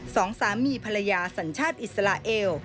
สองสามีภรรยาสัญชาติอิสราเอล